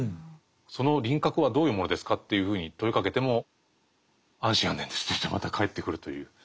「その輪郭はどういうものですか？」というふうに問いかけても「安心・安全です」といってまた返ってくるという。